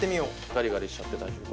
ガリガリしちゃって大丈夫です。